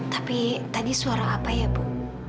tapi tadi suara apa ya bu